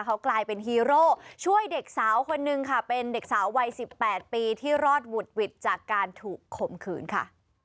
เขากลายเป็นฮีโร่ช่วยเด็กสาวคนนึงค่ะเป็นเด็กสาววัย๑๘ปีที่รอดหวุดหวิดจากการถูกข่มขืนค่ะ